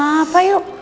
wah kenapa yuk